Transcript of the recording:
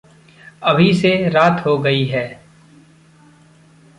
अभी से रात हो गई है।